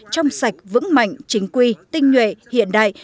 trong sạch vững mạnh chính quy tinh nhuệ hiện đại